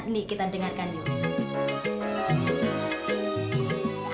ini kita dengarkan yuk